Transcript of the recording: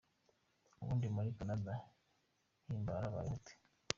Ubundi muri Canada Himbara abayeho ate ?